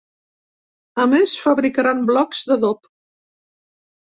A més, fabricaran blocs d’adob.